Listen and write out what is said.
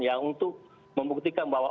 ya untuk membuktikan bahwa